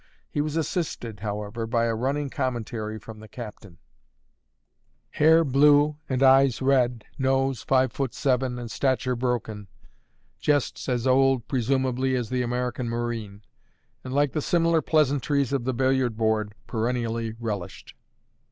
He was assisted, however, by a running commentary from the captain: "Hair blue and eyes red, nose five foot seven, and stature broken" jests as old, presumably, as the American marine; and, like the similar pleasantries of the billiard board, perennially relished.